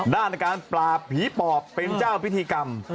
ในการปราบผีปอบเป็นเจ้าพิธีกรรม